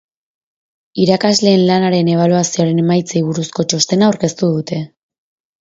Irakasleen lanaren ebaluazioaren emaitzei buruzko txostena aurkeztu dute.